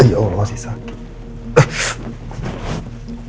ya allah masih sakit